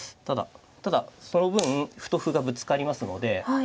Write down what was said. ただその分歩と歩がぶつかりますので。